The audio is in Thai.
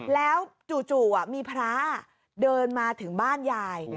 แล้วจู่มีพระเดินมาถึงบ้านยาย